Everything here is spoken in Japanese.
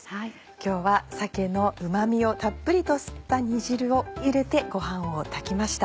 今日は鮭のうま味をたっぷりと吸った煮汁を入れてご飯を炊きました。